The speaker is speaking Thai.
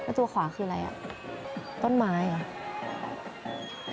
ตัวขวาคืออะไรอ่ะต้นไม้เหรอ